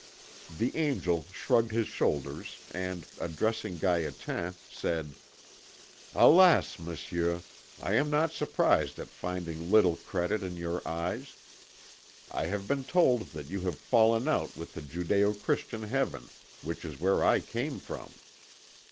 The angel shrugged his shoulders and, addressing Gaétan, said: "Alas! Monsieur, I am not surprised at finding little credit in your eyes. I have been told that you have fallen out with the Judæo Christian heaven, which is where I came from."